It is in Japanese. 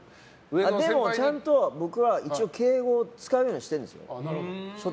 でも、ちゃんと僕は一応敬語を使うようにしてるんです。